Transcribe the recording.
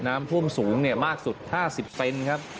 น้ำท่วมสูงมากสุด๕๐เซนครับ